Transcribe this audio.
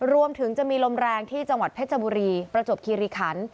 รวมถึงจะมีลมแรงที่จังหวัดเพชรบุรีประจวบคิริขัน